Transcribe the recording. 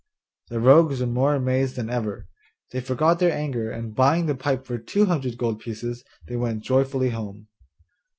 The rogues were more amazed than ever; they forgot their anger, and buying the pipe for two hundred gold pieces, they went joyfully home.